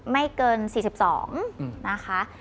ไม่เกิน๔๒นะคะ